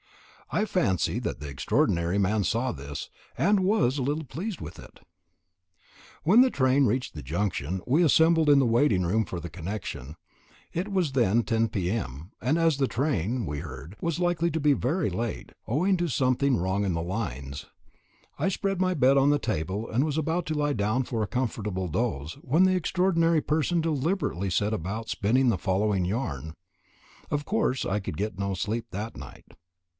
I fancy that the extraordinary man saw this, and was a little pleased with it. When the train reached the junction, we assembled in the waiting room for the connection. It was then 10 P.M., and as the train, we heard, was likely to be very late, owing to something wrong in the lines, I spread my bed on the table and was about to lie down for a comfortable doze, when the extraordinary person deliberately set about spinning the following yarn. Of course, I could get no sleep that night.